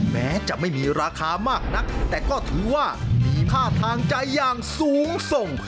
แม้จะไม่มีราคามากนักแต่ก็ถือว่ามีค่าทางใจอย่างสูงส่ง